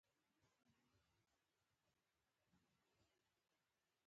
د مجلس حاضرین د بهلول عقل ته حیران پاتې شول.